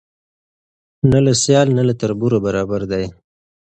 نه له سیال نه له تربوره برابر دی